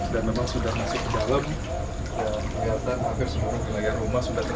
dan memang sudah masuk ke dalam